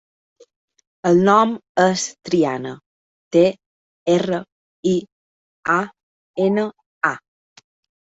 El nom és Triana: te, erra, i, a, ena, a.